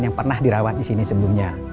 yang pernah dirawat disini sebelumnya